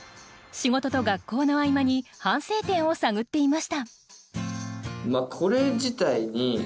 仕事と学校の合間に反省点を探っていました。